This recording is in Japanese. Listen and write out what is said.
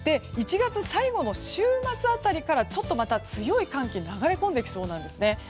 １月最後の週末辺りからちょっとまた強い寒気が流れ込んできそうなんです。